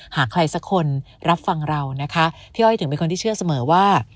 หากใครสักคนรับฟังเรานะคะพี่อ้อยถึงเป็นคนที่เชื่อเสมอว่า